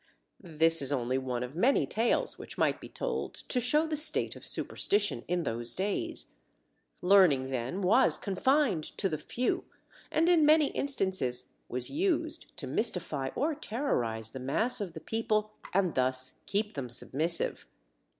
This is only one of many tales which might be told to show the state of superstition in those days. Learning, then, was confined to the few, and in many instances was used to mystify or terrorize the mass of the people and thus keep them submissive.